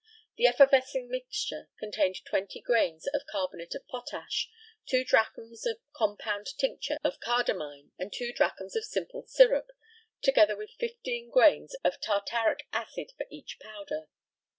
The effervescing mixture contained twenty grains of carbonate of potash, two drachms of compound tincture of cardamine, and two drachms of simple syrup, together with fifteen grains of tartaric acid for each powder.